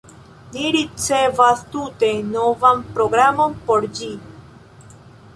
Ni ricevas tute novan programon por ĝi.